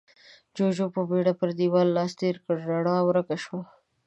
جُوجُو په بيړه پر دېوال لاس تېر کړ، رڼا ورکه شوه.